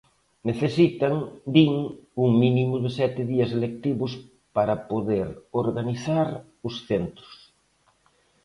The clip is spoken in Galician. Necesitan, din, un mínimo de sete días lectivos para poder organizar os centros.